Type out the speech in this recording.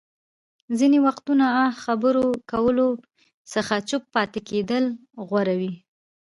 ځينې وختونه اه خبرو کولو څخه چوپ پاتې کېدل غوره وي.